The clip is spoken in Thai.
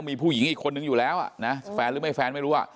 มีผู้หญิงอีกคนนึงอยู่แล้วอ่ะนะแฟนหรือไม่แฟนไม่รู้อ่ะ